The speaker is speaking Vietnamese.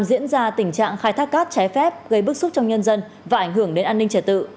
diễn ra tình trạng khai thác cát trái phép gây bức xúc trong nhân dân và ảnh hưởng đến an ninh trả tự